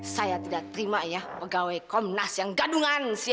saya tidak terima ya pegawai komnas yang gadungan